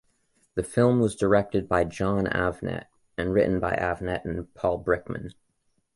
The film was directed by Jon Avnet and written by Avnet and Paul Brickman.